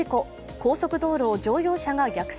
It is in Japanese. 高速道路を乗用車が逆走。